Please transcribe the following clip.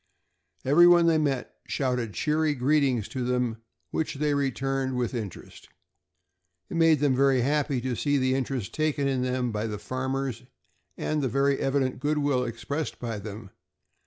Every one they met shouted cheery greetings to them, which they returned with interest. It made them very happy to see the interest taken in them by the farmers, and the very evident good will expressed by them.